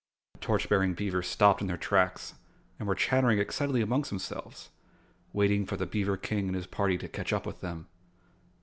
The torch bearing beavers stopped in their tracks and were chattering excitedly among themselves, waiting for the beaver King and his party to catch up with them.